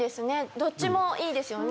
どっちもいいですよね。